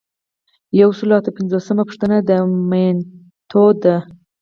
یو سل او اته پنځوسمه پوښتنه د مینوټ ده.